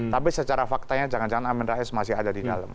tapi secara faktanya jangan jangan amin rais masih ada di dalam